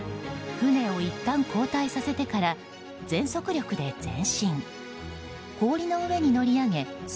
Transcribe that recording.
船をいったん後退させてから全速力で前進。